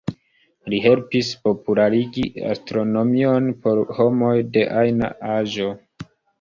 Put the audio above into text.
Li helpis popularigi astronomion por homoj de ajna aĝo.